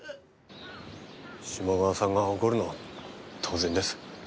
志茂川さんが怒るのも当然です。